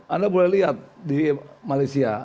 anda boleh lihat di malaysia